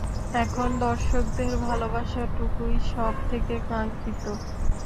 এখন দর্শকদের ভালোবাসাটুকুই সব থেকে কাঙ্ক্ষিত।